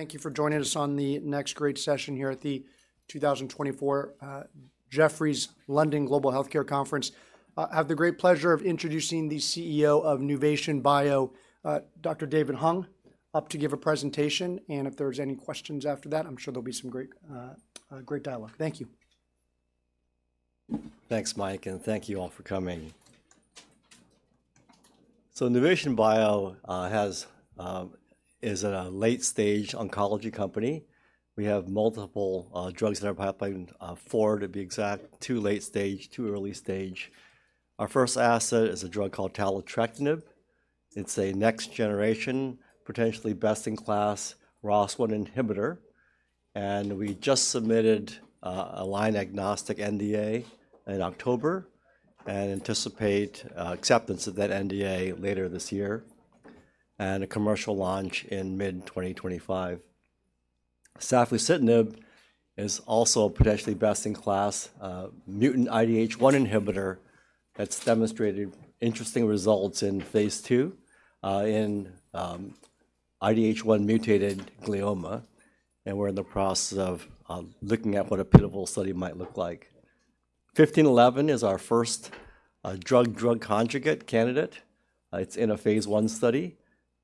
Thank you for joining us on the next great session here at the 2024 Jefferies London Global Healthcare Conference. I have the great pleasure of introducing the CEO of Nuvation Bio, Dr. David Hung, up to give a presentation. And if there's any questions after that, I'm sure there'll be some great dialogue. Thank you. Thanks, Mike, and thank you all for coming. So, Nuvation Bio is a late-stage oncology company. We have multiple drugs that are pipelined for, to be exact, two late-stage, two early-stage. Our first asset is a drug called taletrectinib. It's a next-generation, potentially best-in-class ROS1 inhibitor. And we just submitted a line-agnostic NDA in October and anticipate acceptance of that NDA later this year and a commercial launch in mid-2025. Safusidenib is also a potentially best-in-class mutant IDH1 inhibitor that's demonstrated interesting results in phase II in IDH1-mutated glioma. And we're in the process of looking at what a pivotal study might look like. 1511 is our first drug-drug conjugate candidate. It's in a phase I study.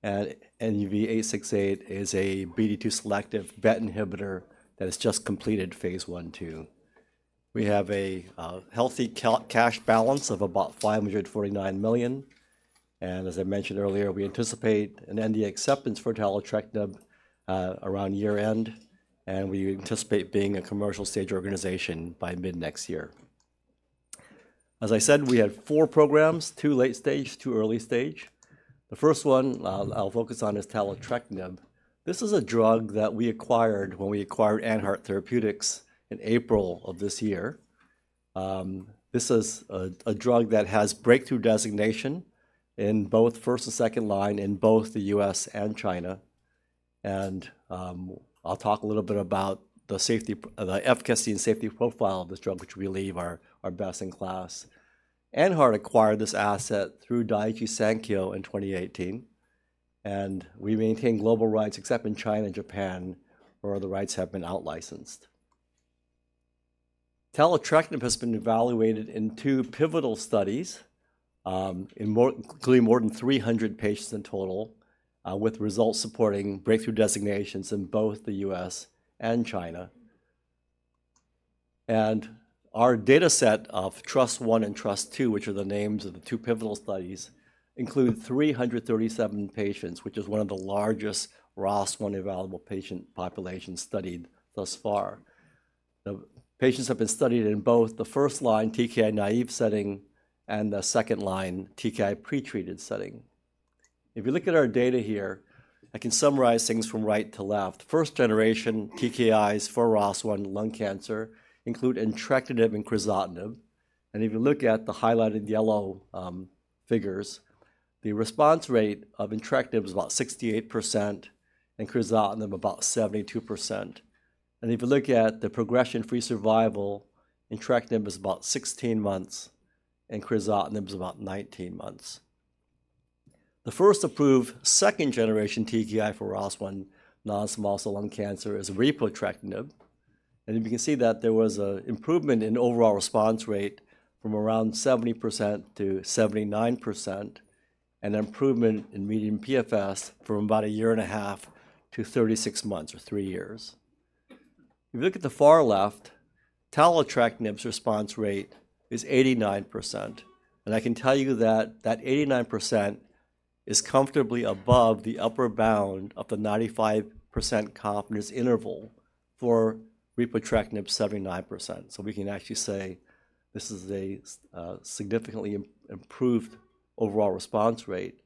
And NUV-868 is a BD2-selective BET inhibitor that has just completed phase one-two. We have a healthy cash balance of about $549 million. As I mentioned earlier, we anticipate an NDA acceptance for taletrectinib around year-end. And we anticipate being a commercial-stage organization by mid-next year. As I said, we had four programs, two late-stage, two early-stage. The first one I'll focus on is taletrectinib. This is a drug that we acquired when we acquired AnHeart Therapeutics in April of this year. This is a drug that has breakthrough designation in both first- and second-line in both the U.S. and China. And I'll talk a little bit about the efficacy and safety profile of this drug, which we believe are best-in-class. AnHeart acquired this asset through Daiichi Sankyo in 2018. And we maintain global rights, except in China and Japan, where the rights have been out-licensed. Taletrectinib has been evaluated in two pivotal studies, including more than 300 patients in total, with results supporting breakthrough designations in both the U.S. and China. Our data set of TRUST-I and TRUST-II, which are the names of the two pivotal studies, includes 337 patients, which is one of the largest ROS1 available patient populations studied thus far. The patients have been studied in both the first line TKI naive setting and the second line TKI pretreated setting. If you look at our data here, I can summarize things from right to left. First-generation TKIs for ROS1 lung cancer include entrectinib and crizotinib. If you look at the highlighted yellow figures, the response rate of entrectinib is about 68% and crizotinib about 72%. If you look at the progression-free survival, entrectinib is about 16 months and crizotinib is about 19 months. The first approved second-generation TKI for ROS1 non-small cell lung cancer is repotrectinib. You can see that there was an improvement in overall response rate from around 70% to 79% and an improvement in median PFS from about a year and a half to 36 months or three years. If you look at the far left, taletrectinib's response rate is 89%. I can tell you that that 89% is comfortably above the upper bound of the 95% confidence interval for repotrectinib's 79%. We can actually say this is a significantly improved overall response rate.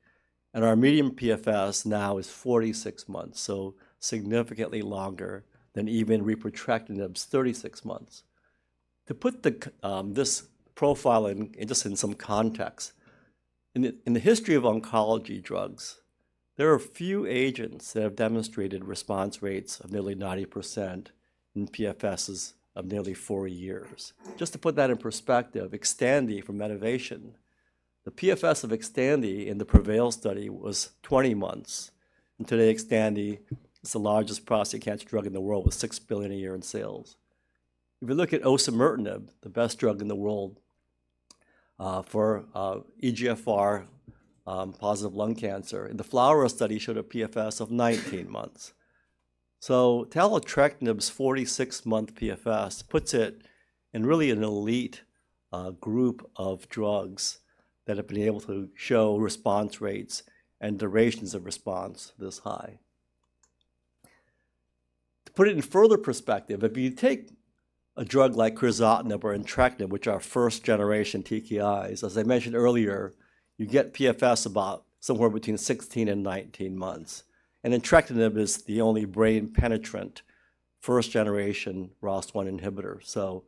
Our median PFS now is 46 months, so significantly longer than even repotrectinib's 36 months. To put this profile in just some context, in the history of oncology drugs, there are few agents that have demonstrated response rates of nearly 90% and PFSs of nearly four years. Just to put that in perspective, Xtandi from Medivation, the PFS of Xtandi in the PREVAIL study was 20 months. And today, Xtandi is the largest prostate cancer drug in the world with $6 billion a year in sales. If you look at osimertinib, the best drug in the world for EGFR-positive lung cancer, the FLAURA study showed a PFS of 19 months. So taletrectinib's 46-month PFS puts it in really an elite group of drugs that have been able to show response rates and durations of response this high. To put it in further perspective, if you take a drug like crizotinib or entrectinib, which are first-generation TKIs, as I mentioned earlier, you get PFS about somewhere between 16 and 19 months. And entrectinib is the only brain-penetrant first-generation ROS1 inhibitor. So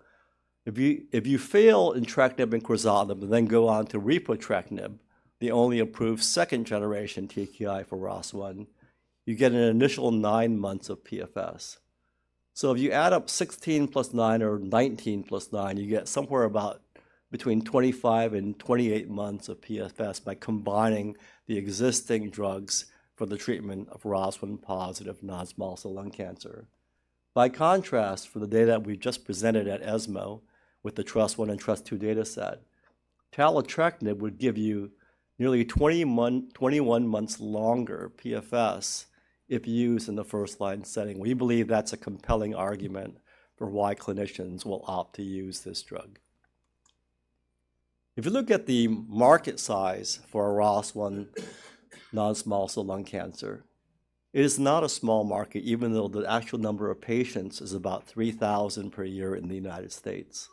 if you fail entrectinib and crizotinib and then go on to repotrectinib, the only approved second-generation TKI for ROS1, you get an initial 9 months of PFS. So if you add up 16 plus 9 or 19 plus 9, you get somewhere about between 25 and 28 months of PFS by combining the existing drugs for the treatment of ROS1-positive non-small cell lung cancer. By contrast, for the data that we've just presented at ESMO with the TRUST-I and TRUST-II data set, taletrectinib would give you nearly 21 months longer PFS if used in the first-line setting. We believe that's a compelling argument for why clinicians will opt to use this drug. If you look at the market size for ROS1 non-small cell lung cancer, it is not a small market, even though the actual number of patients is about 3,000 per year in the United States.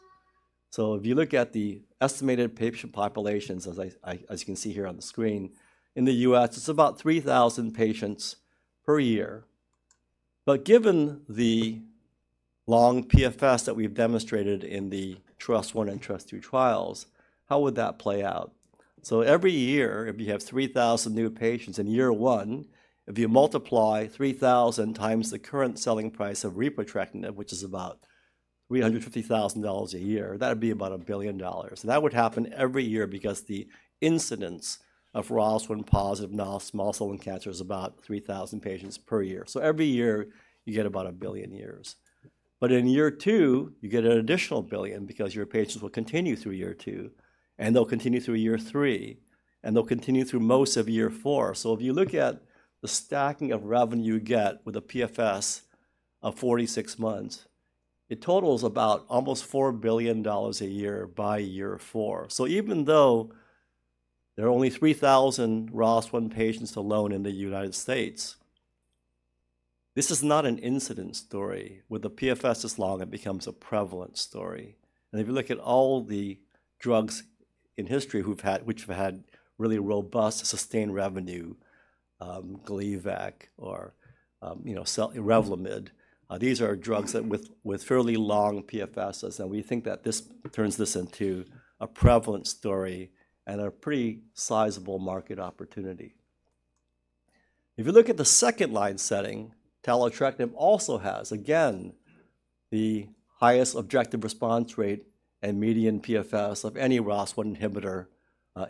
If you look at the estimated patient populations, as you can see here on the screen, in the U.S., it's about 3,000 patients per year. Given the long PFS that we've demonstrated in the TRUST-I and TRUST-II trials, how would that play out? Every year, if you have 3,000 new patients in year one, if you multiply 3,000 times the current selling price of repotrectinib, which is about $350,000 a year, that would be about a billion dollars. That would happen every year because the incidence of ROS1-positive non-small cell lung cancer is about 3,000 patients per year. Every year, you get about a billion dollars. In year two, you get an additional billion because your patients will continue through year two, and they'll continue through year three, and they'll continue through most of year four. So if you look at the stacking of revenue you get with a PFS of 46 months, it totals about almost $4 billion a year by year four. So even though there are only 3,000 ROS1 patients alone in the United States, this is not an incidental story. With the PFS this long, it becomes a prevalent story. And if you look at all the drugs in history which have had really robust sustained revenue, Gleevec or Revlimid, these are drugs with fairly long PFSs. And we think that this turns this into a prevalent story and a pretty sizable market opportunity. If you look at the second-line setting, taletrectinib also has, again, the highest objective response rate and median PFS of any ROS1 inhibitor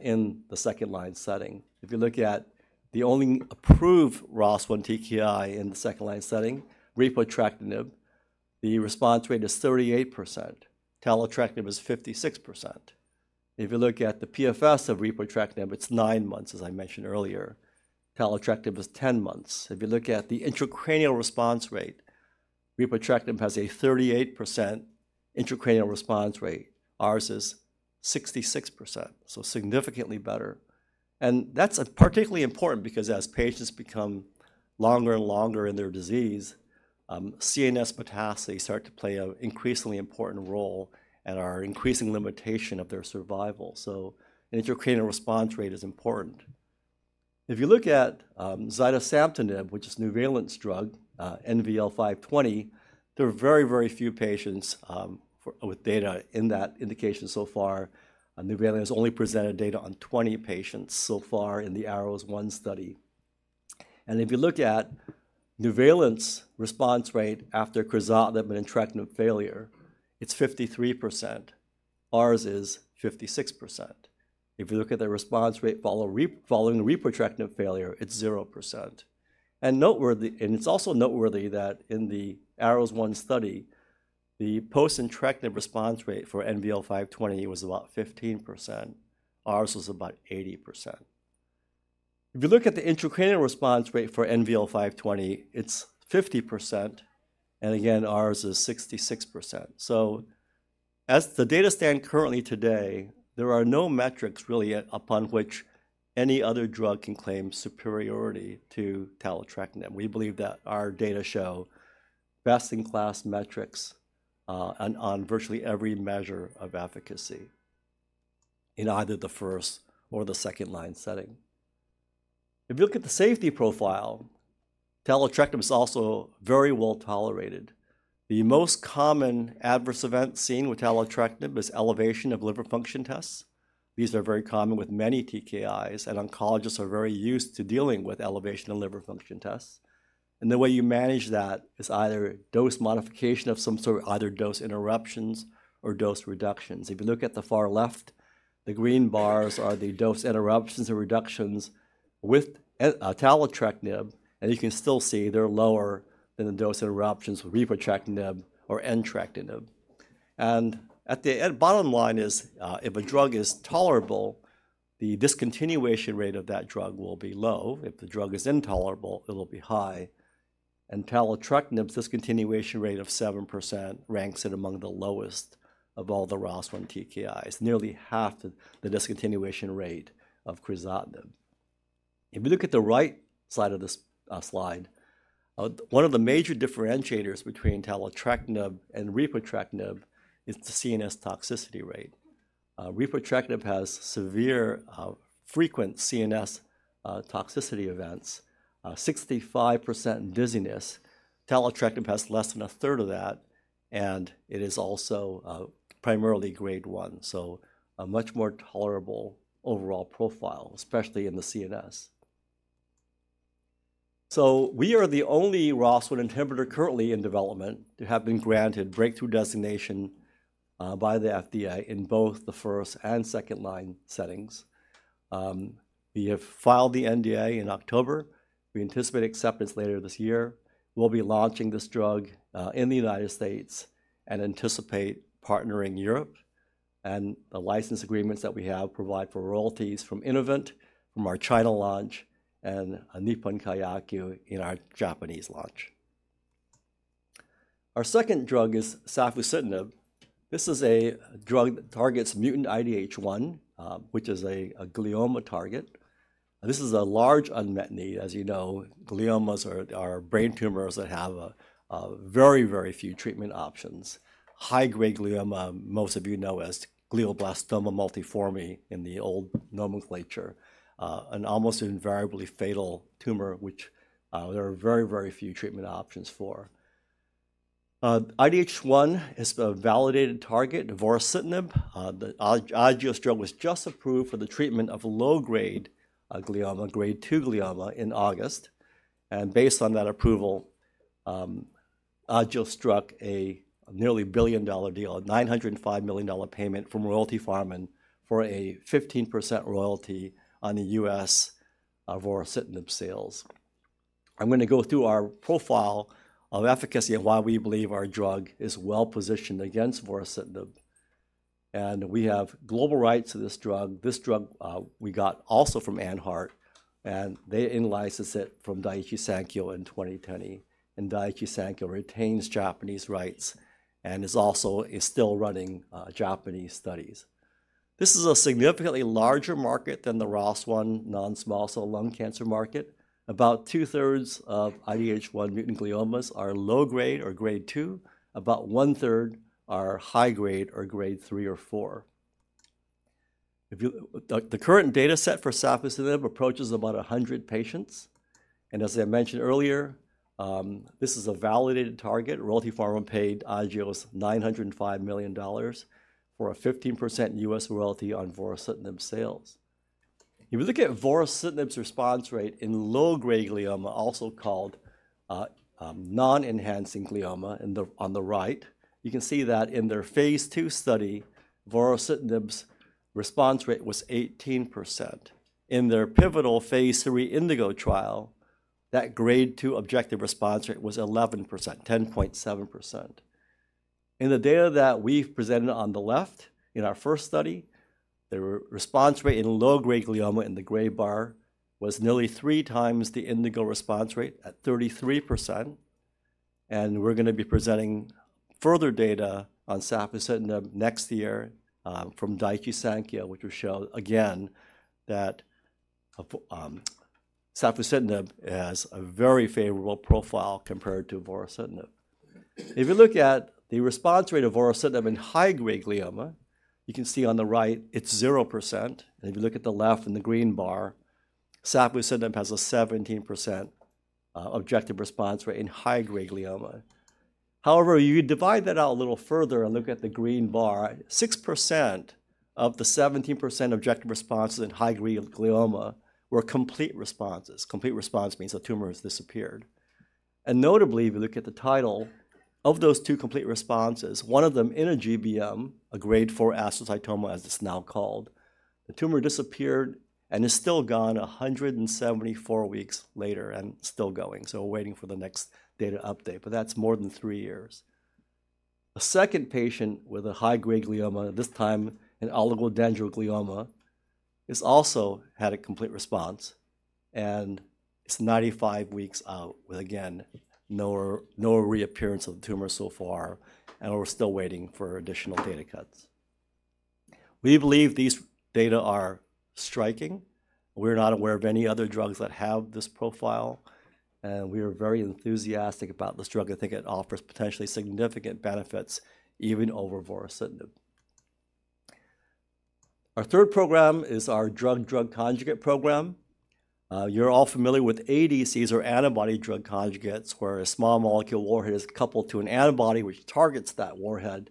in the second-line setting. If you look at the only approved ROS1 TKI in the second-line setting, repotrectinib, the response rate is 38%. Taletrectinib is 56%. If you look at the PFS of repotrectinib, it's nine months, as I mentioned earlier. Taletrectinib is 10 months. If you look at the intracranial response rate, repotrectinib has a 38% intracranial response rate. Ours is 66%, so significantly better, and that's particularly important because as patients become longer and longer in their disease, CNS metastases start to play an increasingly important role and are an increasing limitation of their survival. So the intracranial response rate is important. If you look at zidesamtinib, which is Nuvalent's drug, NVL-520, there are very, very few patients with data in that indication so far. Nuvalent has only presented data on 20 patients so far in the ARROS-1 study, and if you look at Nuvalent's response rate after crizotinib and entrectinib failure, it's 53%. Ours is 56%. If you look at their response rate following repotrectinib failure, it's 0%. It's also noteworthy that in the ARROS-1 study, the post-entrectinib response rate for NVL-520 was about 15%. Ours was about 80%. If you look at the intracranial response rate for NVL-520, it's 50%. Again, ours is 66%. As the data stand currently today, there are no metrics really upon which any other drug can claim superiority to taletrectinib. We believe that our data show best-in-class metrics on virtually every measure of efficacy in either the first or the second-line setting. If you look at the safety profile, taletrectinib is also very well tolerated. The most common adverse event seen with taletrectinib is elevation of liver function tests. These are very common with many TKIs, and oncologists are very used to dealing with elevation of liver function tests. The way you manage that is either dose modification of some sort, either dose interruptions or dose reductions. If you look at the far left, the green bars are the dose interruptions and reductions with taletrectinib. And you can still see they're lower than the dose interruptions with repotrectinib or entrectinib. And the bottom line is if a drug is tolerable, the discontinuation rate of that drug will be low. If the drug is intolerable, it will be high. And taletrectinib's discontinuation rate of 7% ranks it among the lowest of all the ROS1 TKIs, nearly half the discontinuation rate of crizotinib. If you look at the right side of this slide, one of the major differentiators between taletrectinib and repotrectinib is the CNS toxicity rate. Repotrectinib has severe frequent CNS toxicity events, 65% dizziness. Taletrectinib has less than a third of that, and it is also primarily grade 1, so a much more tolerable overall profile, especially in the CNS. We are the only ROS1 inhibitor currently in development to have been granted breakthrough designation by the FDA in both the first and second-line settings. We have filed the NDA in October. We anticipate acceptance later this year. We'll be launching this drug in the United States and anticipate partnering Europe. And the license agreements that we have provide for royalties from Innovent, from our China launch, and Nippon Kayaku in our Japanese launch. Our second drug is safusidenib. This is a drug that targets mutant IDH1, which is a glioma target. This is a large unmet need. As you know, gliomas are brain tumors that have very, very few treatment options. High-grade glioma, most of you know as glioblastoma multiforme in the old nomenclature, an almost invariably fatal tumor, which there are very, very few treatment options for. IDH1 is a validated target of vorasidenib. The Agios drug was just approved for the treatment of low-grade glioma, grade 2 glioma, in August. And based on that approval, Agios struck a nearly billion-dollar deal, a $905 million payment from Royalty Pharma for a 15% royalty on the U.S. vorasidenib sales. I'm going to go through our profile of efficacy and why we believe our drug is well positioned against vorasidenib. And we have global rights to this drug. This drug we got also from AnHeart, and they in-licensed it from Daiichi Sankyo in 2020. And Daiichi Sankyo retains Japanese rights and is also still running Japanese studies. This is a significantly larger market than the ROS1 non-small cell lung cancer market. About two-thirds of IDH1 mutant gliomas are low-grade or grade 2. About one-third are high-grade or grade 3 or 4. The current data set for safusidenib approaches about 100 patients. As I mentioned earlier, this is a validated target. Royalty Pharma paid Agios $905 million for a 15% U.S. royalty on vorasidenib sales. If you look at vorasidenib's response rate in low-grade glioma, also called non-enhancing glioma on the right, you can see that in their phase II study, vorasidenib's response rate was 18%. In their pivotal phase III INDIGO trial, that grade 2 objective response rate was 11%, 10.7%. In the data that we've presented on the left in our first study, the response rate in low-grade glioma in the gray bar was nearly three times the INDIGO response rate at 33%. We're going to be presenting further data on safusidenib next year from Daiichi Sankyo, which will show again that safusidenib has a very favorable profile compared to vorasidenib. If you look at the response rate of vorasidenib in high-grade glioma, you can see on the right it's 0%. And if you look at the left in the green bar, safusidenib has a 17% objective response rate in high-grade glioma. However, if you divide that out a little further and look at the green bar, 6% of the 17% objective responses in high-grade glioma were complete responses. Complete response means the tumor has disappeared. And notably, if you look at the title of those two complete responses, one of them in a GBM, a grade 4 astrocytoma as it's now called, the tumor disappeared and is still gone 174 weeks later and still going. So we're waiting for the next data update, but that's more than three years. A second patient with a high-grade glioma, this time an oligodendroglioma, has also had a complete response. It's 95 weeks out with, again, no reappearance of the tumor so far. We're still waiting for additional data cuts. We believe these data are striking. We're not aware of any other drugs that have this profile. We are very enthusiastic about this drug. I think it offers potentially significant benefits even over vorasidenib. Our third program is our drug-drug conjugate program. You're all familiar with ADCs or antibody-drug conjugates, where a small molecule warhead is coupled to an antibody which targets that warhead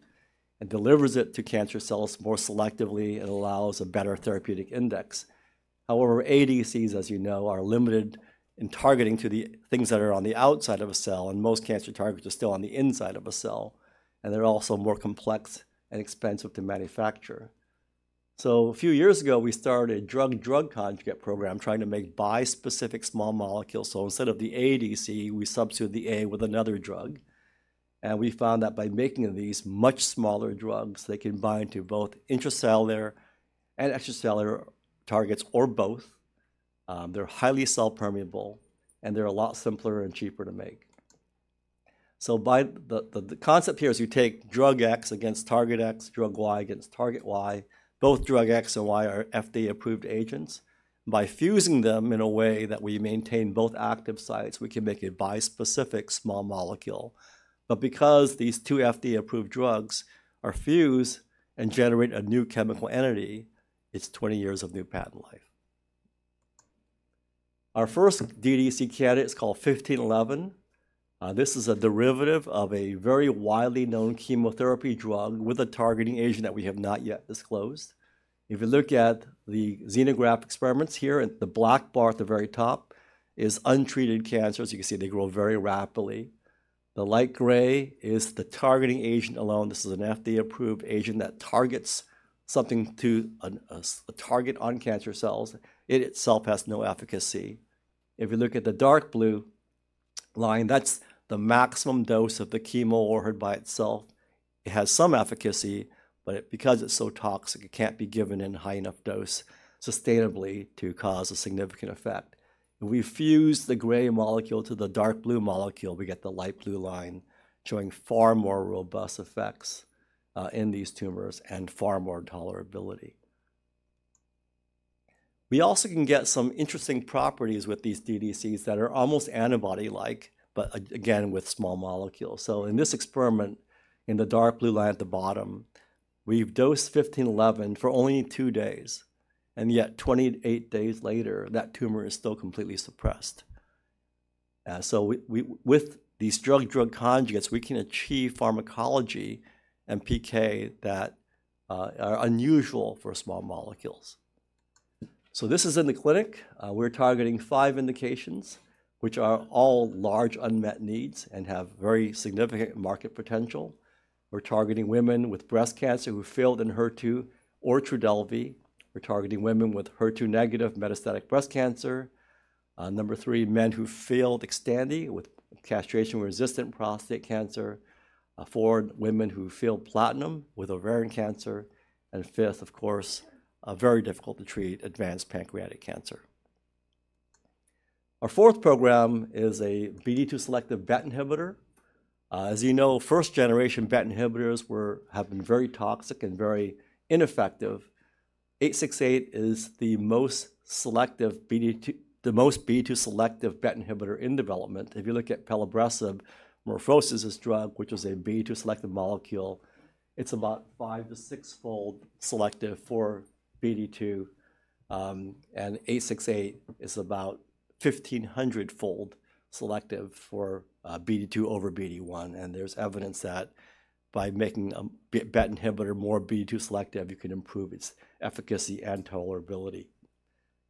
and delivers it to cancer cells more selectively and allows a better therapeutic index. However, ADCs, as you know, are limited in targeting to the things that are on the outside of a cell. Most cancer targets are still on the inside of a cell. They're also more complex and expensive to manufacture. So a few years ago, we started a drug-drug conjugate program trying to make bispecific small molecules. So instead of the ADC, we substitute the A with another drug. And we found that by making these much smaller drugs, they can bind to both intracellular and extracellular targets or both. They're highly cell-permeable, and they're a lot simpler and cheaper to make. So the concept here is you take drug X against target X, drug Y against target Y. Both drug X and Y are FDA-approved agents. By fusing them in a way that we maintain both active sites, we can make a bispecific small molecule. But because these two FDA-approved drugs are fused and generate a new chemical entity, it's 20 years of new patent life. Our first DDC candidate is called NUV-1511. This is a derivative of a very widely known chemotherapy drug with a targeting agent that we have not yet disclosed. If you look at the xenograft experiments here, the black bar at the very top is untreated cancers. You can see they grow very rapidly. The light gray is the targeting agent alone. This is an FDA-approved agent that targets something to a target on cancer cells. It itself has no efficacy. If you look at the dark blue line, that's the maximum dose of the chemo warhead by itself. It has some efficacy, but because it's so toxic, it can't be given in a high enough dose sustainably to cause a significant effect. If we fuse the gray molecule to the dark blue molecule, we get the light blue line showing far more robust effects in these tumors and far more tolerability. We also can get some interesting properties with these DDCs that are almost antibody-like, but again, with small molecules. So in this experiment, in the dark blue line at the bottom, we've dosed 1511 for only two days. And yet, 28 days later, that tumor is still completely suppressed. So with these drug-drug conjugates, we can achieve pharmacology and PK that are unusual for small molecules. So this is in the clinic. We're targeting five indications, which are all large unmet needs and have very significant market potential. We're targeting women with breast cancer who failed Enhertu or Trodelvy. We're targeting women with HER2-negative metastatic breast cancer. Number three, men who failed Xtandi with castration-resistant prostate cancer. Four, women who failed platinum with ovarian cancer. And fifth, of course, very difficult to treat advanced pancreatic cancer. Our fourth program is a BD2-selective BET inhibitor. As you know, first-generation BET inhibitors have been very toxic and very ineffective. 868 is the most selective BD2-selective BET inhibitor in development. If you look at pelabresib's drug, which is a BD2-selective molecule, it's about five to six-fold selective for BD2, and 868 is about 1500-fold selective for BD2 over BD1, and there's evidence that by making a BET inhibitor more BD2-selective, you can improve its efficacy and tolerability.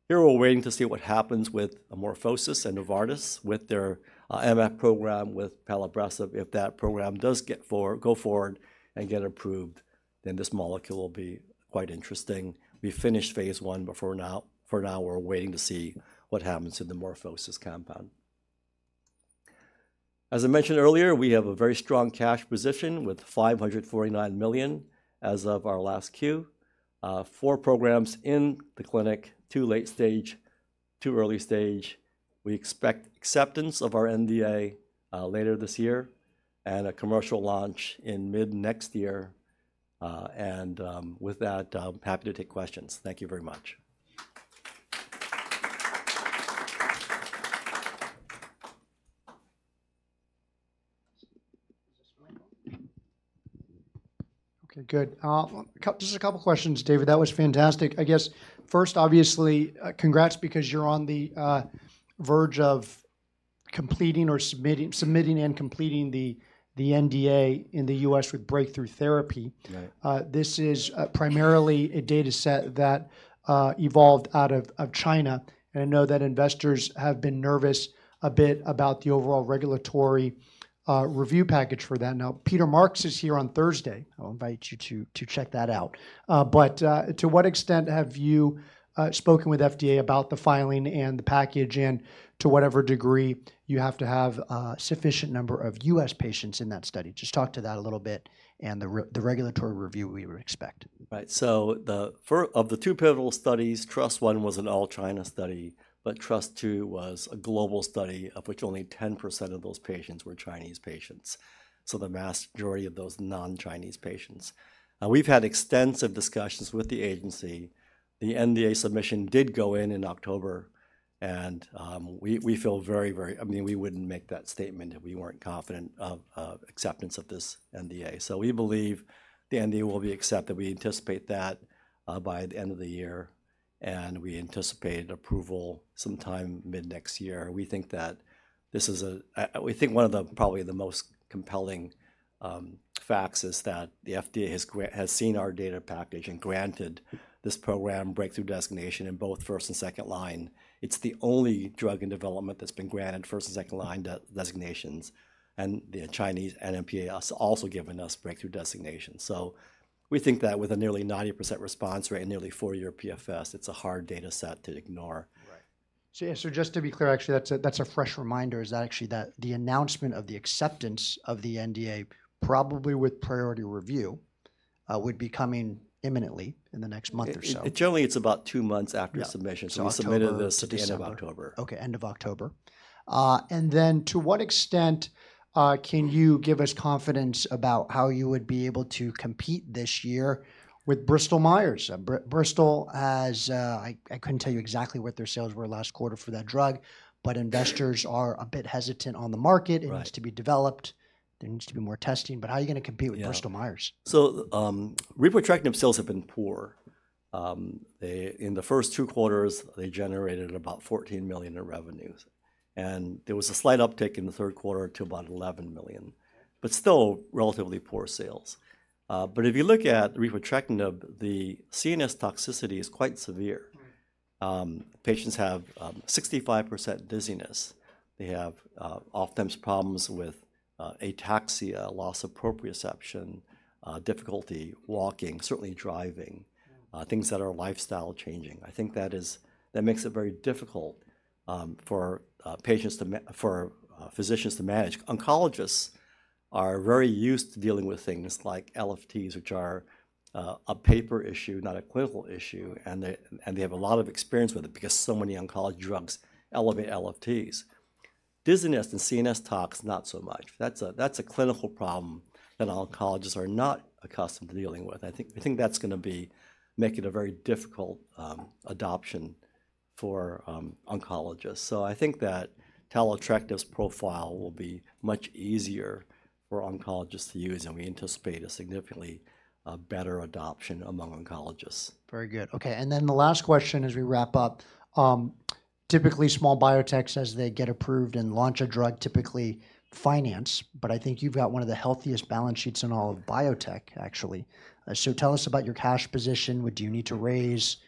Here we're waiting to see what happens with MorphoSys and Novartis with their MF program with pelabresib. If that program does go forward and get approved, then this molecule will be quite interesting. We finished phase I before now. For now, we're waiting to see what happens to the MorphoSys compound. As I mentioned earlier, we have a very strong cash position with $549 million as of our last Q. Four programs in the clinic, two late stage, two early stage. We expect acceptance of our NDA later this year and a commercial launch in mid next year. And with that, I'm happy to take questions. Thank you very much. Okay, good. Just a couple of questions, David. That was fantastic. I guess first, obviously, congrats because you're on the verge of submitting and completing the NDA in the U.S. with breakthrough therapy. This is primarily a data set that evolved out of China. And I know that investors have been nervous a bit about the overall regulatory review package for that. Now, Peter Marks is here on Thursday. I'll invite you to check that out. But to what extent have you spoken with FDA about the filing and the package and to whatever degree you have to have a sufficient number of U.S. patients in that study? Just talk to that a little bit and the regulatory review we would expect. Right. So of the two pivotal studies, TRUST-I was an all-China study, but TRUST-II was a global study of which only 10% of those patients were Chinese patients. So the vast majority of those non-Chinese patients. We've had extensive discussions with the agency. The NDA submission did go in in October, and we feel very, very—I mean, we wouldn't make that statement if we weren't confident of acceptance of this NDA. So we believe the NDA will be accepted. We anticipate that by the end of the year, and we anticipate approval sometime mid next year. We think that this is a—we think one of the probably the most compelling facts is that the FDA has seen our data package and granted this program breakthrough designation in both first- and second-line. It's the only drug in development that's been granted first and second line designations. And the Chinese NMPA has also given us breakthrough designations. So we think that with a nearly 90% response rate and nearly four-year PFS, it's a hard data set to ignore. Right. So just to be clear, actually, that's a fresh reminder. Is that actually that the announcement of the acceptance of the NDA, probably with priority review, would be coming imminently in the next month or so? Generally, it's about two months after submission. So we submitted this at the end of October. Okay, end of October. And then to what extent can you give us confidence about how you would be able to compete this year with Bristol Myers? Bristol has. I couldn't tell you exactly what their sales were last quarter for that drug, but investors are a bit hesitant on the market. It needs to be developed. There needs to be more testing, but how are you going to compete with Bristol Myers? So repotrectinib sales have been poor. In the first two quarters, they generated about $14 million in revenues, and there was a slight uptick in the Q to about $11 million, but still relatively poor sales, but if you look at repotrectinib inhibitors, the CNS toxicity is quite severe. Patients have 65% dizziness. They have oftentimes problems with ataxia, loss of proprioception, difficulty walking, certainly driving, things that are lifestyle changing. I think that makes it very difficult for physicians to manage. Oncologists are very used to dealing with things like LFTs, which are a paper issue, not a clinical issue, and they have a lot of experience with it because so many oncology drugs elevate LFTs. Dizziness and CNS tox, not so much. That's a clinical problem that oncologists are not accustomed to dealing with. I think that's going to make it a very difficult adoption for oncologists. So I think that taletrectinib profile will be much easier for oncologists to use. And we anticipate a significantly better adoption among oncologists. Very good. Okay. And then the last question as we wrap up. Typically, small biotechs, as they get approved and launch a drug, typically finance. But I think you've got one of the healthiest balance sheets in all of biotech, actually. So tell us about your cash position. What do you need to raise?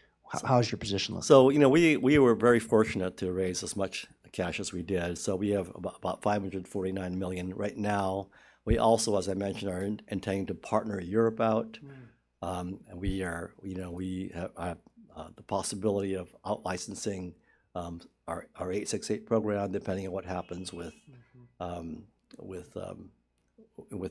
How is your position? So we were very fortunate to raise as much cash as we did. So we have about $549 million right now. We also, as I mentioned, are intending to partner Europe out. We have the possibility of out-licensing our 868 program, depending on what happens with.